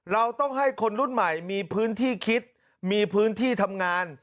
เราต้องให้คนรุ่นใหม่มีพื้นที่คิดมีพื้นที่ทำงาน